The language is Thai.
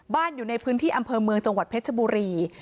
อยู่ในพื้นที่อำเภอเมืองจังหวัดเพชรบุรี